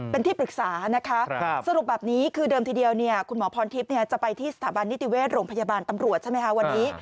เป็นที่ปรึกษานะคะสรุปแบบนี้คือเดิมทีเดียวคุณหมอพรทิพย์จะไปที่สถาบันนิติเวชโรงพยาบาลตำรวจใช่ไหมคะวันนี้